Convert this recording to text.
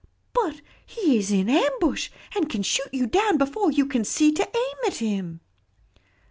"But he is in ambush, and can shoot you down before you can see to aim at him."